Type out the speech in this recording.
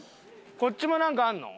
こっちもなんかあるの？